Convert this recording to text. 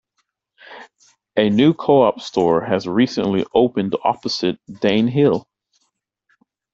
A new Co-op store has recently opened opposite Dane Hill.